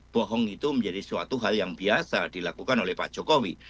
bohong itu menjadi suatu hal yang biasa dilakukan oleh pak jokowi